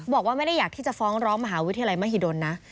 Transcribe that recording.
บอกว่าไม่ได้อยากที่จะฟ้องร้องมหาวิทยาลัยมหิดลนะ